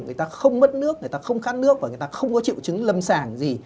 người ta không mất nước người ta không khát nước và người ta không có triệu chứng lâm sàng gì